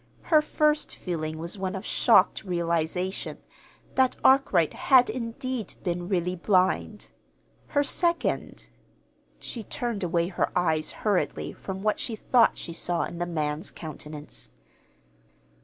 Her first feeling was one of shocked realization that Arkwright had, indeed, been really blind. Her second she turned away her eyes hurriedly from what she thought she saw in the man's countenance.